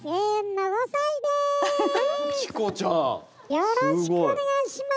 よろしくお願いします。